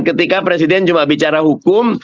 ketika presiden cuma bicara hukum